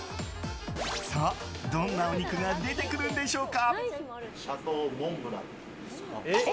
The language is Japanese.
さあ、どんなお肉が出てくるんでしょうか？